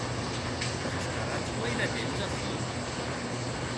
Vos estaratz guaire temps aciu?